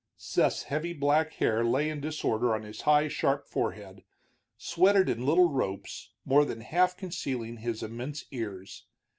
Seth's heavy black hair lay in disorder on his high, sharp forehead, sweated in little ropes, more than half concealing his immense ears.